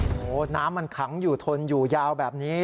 โอ้โหน้ำมันขังอยู่ทนอยู่ยาวแบบนี้